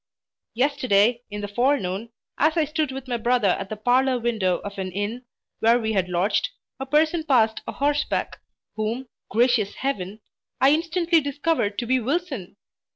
Yesterday in the forenoon, as I stood with my brother at the parlour window of an inn, where we had lodged, a person passed a horseback, whom (gracious Heaven!) I instantly discovered to be Wilson!